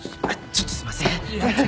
ちょっとすいません。